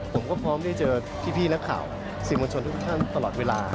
ผมก็พร้อมได้เจอพี่นักข่าวสิ่งมวลชนทุกท่านตลอดเวลา